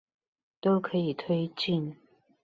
都可以推進